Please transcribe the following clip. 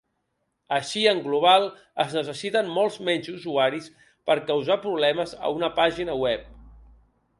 Així, en global es necessiten molts menys usuaris per causar problemes a una pàgina web.